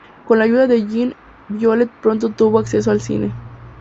Con la ayuda de Jean, Violet pronto tuvo acceso al cine.